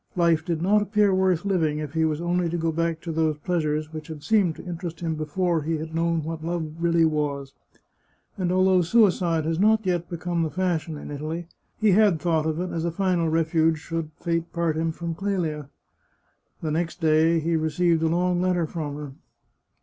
Life did not appear worth living if he was only to go back to those pleasures which had seemed to interest him before he had known what love really was, and although suicide has not yet become the fashion in Italy, he had thought of it as a final refuge, should fate part him from Clelia. The next day he received a long letter from her.